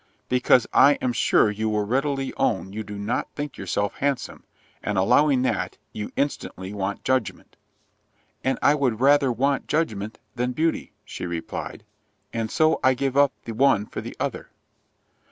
"Because I am sure you will readily own you do not think yourself handsome; and allowing that, you instantly want judgment." "And I would rather want judgment than beauty," she replied, "and so I give up the one for the other."